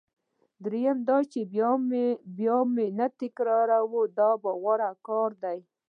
دریم دا چې بیا یې مه تکراروئ دا غوره کار دی.